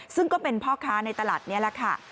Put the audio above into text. ซึ่งก็เป็นพ่อค้าในตลาดนี้แหละค่ะ